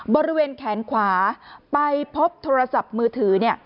บริเวณแขนขวาไปพบโทรศัพท์มือถือเนี่ย